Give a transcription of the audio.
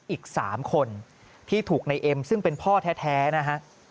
อีก๓คนที่ถูกในเอ็มซึ่งเป็นพ่อแท้นะฮะ